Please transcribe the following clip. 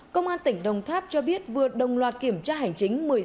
công an tỉnh đồng tháp cho biết vừa đồng loạt kiểm tra hành chính